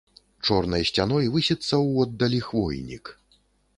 Чорнай сцяной высіцца ўводдалі хвойнік.